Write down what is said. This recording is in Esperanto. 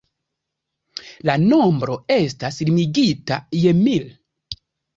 La nombro estas limigita je mil.